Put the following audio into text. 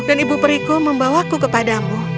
dan ibu periko membawaku kepadamu